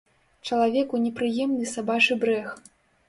Чалавеку непрыемны сабачы брэх.